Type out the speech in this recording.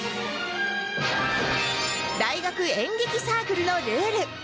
大学演劇サークルのルール